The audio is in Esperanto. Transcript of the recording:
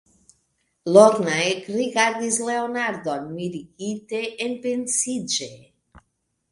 Lorna ekrigardis Leonardon mirigite, enpensiĝe.